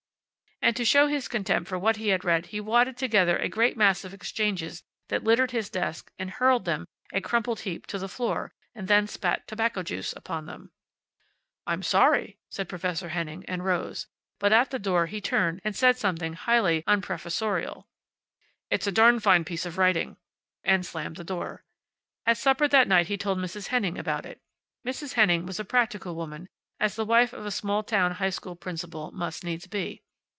And to show his contempt for what he had read he wadded together a great mass of exchanges that littered his desk and hurled them, a crumpled heap, to the floor, and then spat tobacco juice upon them. "I'm sorry," said Professor Henning, and rose; but at the door he turned and said something highly unprofessorial. "It's a darn fine piece of writing." And slammed the door. At supper that night he told Mrs. Henning about it. Mrs. Henning was a practical woman, as the wife of a small town high school principal must needs be.